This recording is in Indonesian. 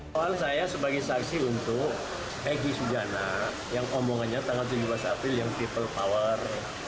soal saya sebagai saksi untuk egy sujana yang omongannya tanggal tujuh belas april yang people power